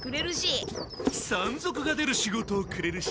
山賊が出る仕事をくれるしな。